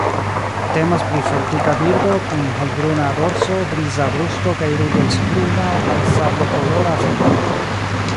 Temas pri fortika birdo, kun helbruna dorso, griza brusto kaj ruĝecbruna al sablokolora ventro.